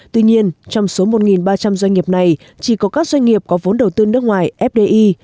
tuy nhiên trong số một ba trăm linh doanh nghiệp này chỉ có các doanh nghiệp có vốn đầu tư nước ngoài fdi